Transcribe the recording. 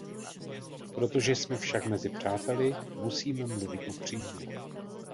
Protože jsme však mezi přáteli, musíme mluvit upřímně.